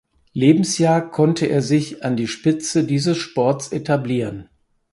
Lebensjahr konnte er sich an die Spitze dieses Sports etablieren.